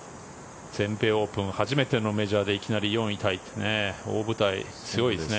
全米オープン初めてのメジャーでいきなり４位タイ大舞台、強いですね。